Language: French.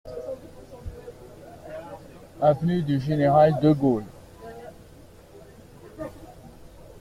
Avenue du Général de Gaulle.